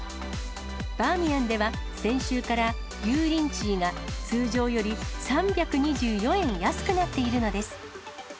バーミヤンでは、先週から油淋鶏が通常より３２４円安くなっているのです。